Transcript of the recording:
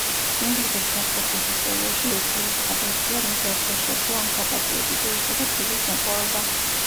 ინგლისის ფეხბურთის ისტორიაში იგი ერთადერთია ვინც ორჯერ შეძლო ამ საპატიო ტიტულისა და პრიზის მოპოვება.